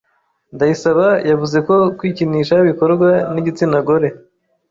Ndayisaba yavuze ko kwikinisha bikorwa n’igitsinagore